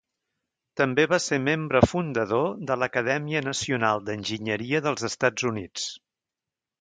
També va ser membre fundador de l'Acadèmia Nacional d'Enginyeria dels Estats Units.